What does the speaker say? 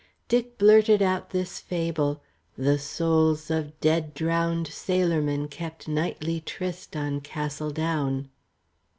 Dick blurted out this fable: the souls of dead drowned sailormen kept nightly tryst on Castle Down.